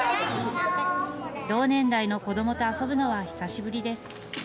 同年代の子どもと遊ぶのは久しぶりです。